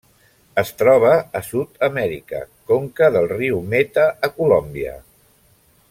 Es troba a Sud-amèrica: conca del riu Meta a Colòmbia.